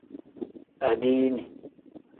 Adiini.